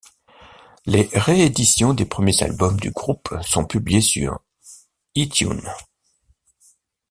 Les rééditions des premiers albums du groupe sont publiées sur iTunes.